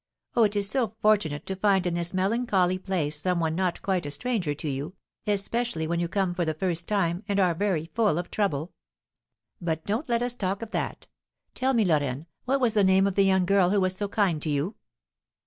Oh, it is so fortunate to find in this melancholy place some one not quite a stranger to you, especially when you come for the first time, and are very full of trouble. But don't let us talk of that! Tell me, Lorraine, what was the name of the young girl who was so kind to you?"